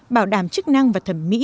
bảo đảm chức năng và thẩm mỹ